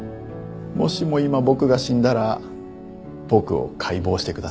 もしも今僕が死んだら僕を解剖してください。